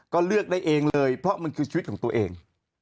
ก็เลือกได้เองเลยเพราะมันคือชีวิตของตัวเอง